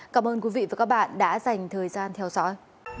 cảm ơn quý vị và các bạn đã dành thời gian theo dõi